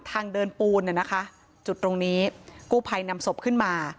ทางเดินปูนน่ะนะคะจุดตรงนี้กู้ภัยนำศพขึ้นมา